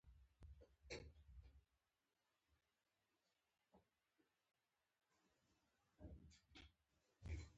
پکتیکا د افغانستان د طبیعت د ښکلا برخه ده.